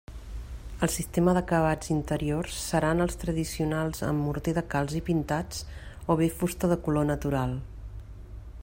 El sistema d'acabats interiors seran els tradicionals amb morter de calç i pintats, o bé fusta de color natural.